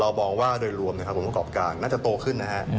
เรามองว่าโดยรวมประกาศกลางแม่งจะโตขึ้นนะฮะ